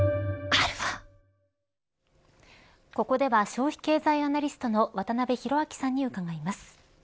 ここでは消費経済アナリストの渡辺広明さんに伺います。